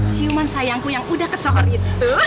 ciuman sayangku yang udah kesohor itu